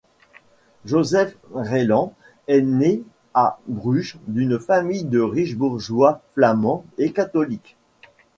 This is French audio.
Joseph Ryelandt est né à Bruges d'une famille de riches bourgeois flamands et catholiques.